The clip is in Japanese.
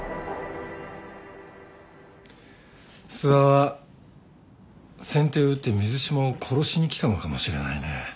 諏訪は先手を打って水島を殺しに来たのかもしれないね。